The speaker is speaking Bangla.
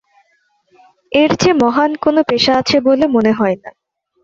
এর চেয়ে মহান কোনো পেশা আছে বলে মনে হয় না।